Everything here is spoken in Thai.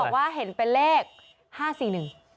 ว่าเห็นเป็นเลขห้าสี่หนึ่ง